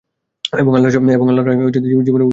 এবং আল্লাহর রাহে জীবন উৎসর্গের দৃঢ় শপথ করবে।